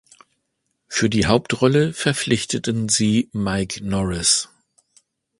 Für die Hauptrolle verpflichteten sie Mike Norris.